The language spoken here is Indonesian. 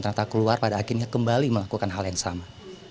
ternyata keluar pada akhirnya kembali melakukan hal yang sama